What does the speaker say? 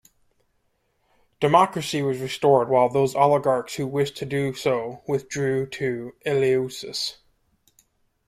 Democracy was restored, while those oligarchs who wished to do so withdrew to Eleusis.